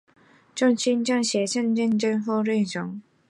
无边落木萧萧下，不尽长江滚滚来